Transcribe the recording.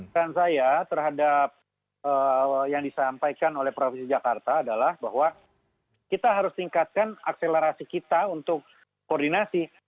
peran saya terhadap yang disampaikan oleh provinsi jakarta adalah bahwa kita harus tingkatkan akselerasi kita untuk koordinasi